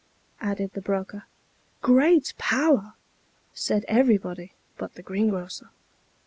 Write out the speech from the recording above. added the broker. " Great power !" said everybody but the greengrocer.